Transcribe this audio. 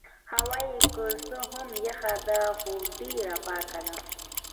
هوا يې که څه هم یخه ده خو ډېره پاکه ده.